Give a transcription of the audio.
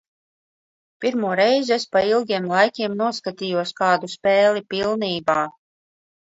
Pirmoreiz es pa ilgiem laikiem noskatījos kādu spēli pilnībā.